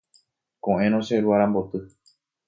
Ko'ẽrõ che ru aramboty.